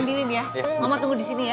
tolong ambilin ya mama tunggu di sini ya